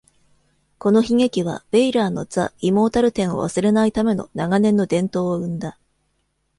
この悲劇は、ベイラーのザ・イモータル・テンを忘れないための長年の伝統を生んだ。